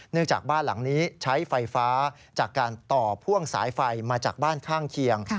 จากบ้านหลังนี้ใช้ไฟฟ้าจากการต่อพ่วงสายไฟมาจากบ้านข้างเคียง